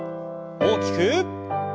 大きく。